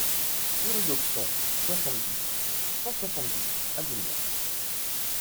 six rue d'Auxon, soixante-dix, cent soixante-dix à Bougnon